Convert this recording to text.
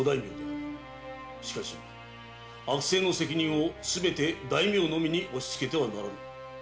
しかし悪政の責任をすべて大名のみに押しつけてはならぬ。